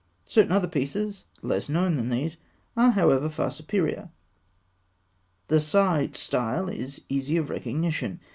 Certain other pieces, less known than these, are however far superior. The Saïte style is easy of recognition.